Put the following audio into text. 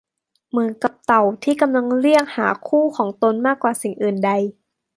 เหมือนกับเต่าที่กำลังเรียกหาคู่ของตนมากกว่าสิ่งอื่นใด